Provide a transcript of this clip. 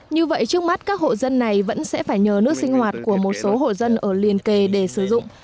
như vậy trước mắt các hộ dân này vẫn sẽ phải nhờ nước sinh hoạt của một số hộ dân ở liên kề để sử dụng